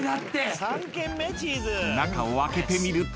［中を開けてみると］